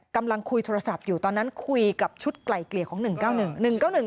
กำลังคุยโทรศัพท์อยู่ตอนนั้นคุยกับชุดไกลเกลี่ยของ๑๙๑๙๑